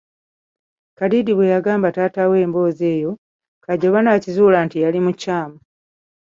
Kadiidi bwe yagamba taata we emboozi eyo, Kajoba n'akizuula nti yali mukyamu.